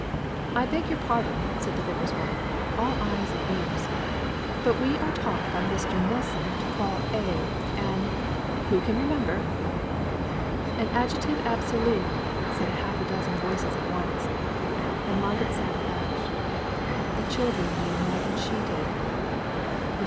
"I beg your pardon," said the Vicar's wife, all eyes and ears; "but we are taught by Mr. Milsome to call 'a' an who can remember?" "An adjective absolute," said half a dozen voices at once. And Margaret sate abashed. The children knew more than she did. Mr.